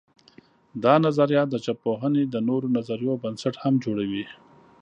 دا نظریه د ژبپوهنې د نورو نظریو بنسټ هم جوړوي.